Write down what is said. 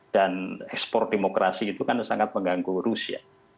dan ekspor demokrasi itu kan sangat mengganggu rusia